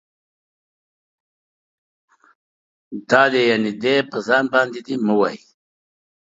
دا دی يعنې دے په ځای باندي دي مه وايئ